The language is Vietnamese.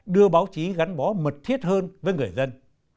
đưa báo chí gắn bó mật thiết hơn với người dân